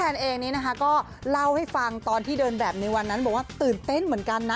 เองนี้นะคะก็เล่าให้ฟังตอนที่เดินแบบในวันนั้นบอกว่าตื่นเต้นเหมือนกันนะ